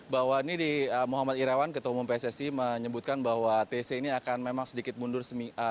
bahwa ini di muhammad irawan ketua umum pssi menyebutkan bahwa tc ini akan memang sedikit mundur